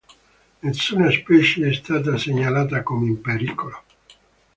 Nessuna specie è stata segnalata come in pericolo.